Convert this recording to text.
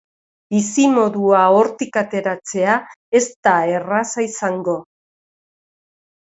Bizimodua hortik ateratzea ez da erraza izango.